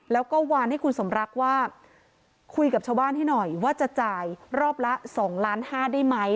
แล้วก็วานให้คุณสมรักว่าคุยกับชาวบ้านให้หน่อยว่าจะจ่ายรอบละ๒ล้านห้าได้ไหม